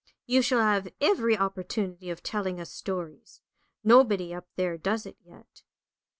You shall have every opportunity of telling us stories; nobody up there does it yet.